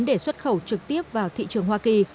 để xuất khẩu trực tiếp vào thị trường hoa kỳ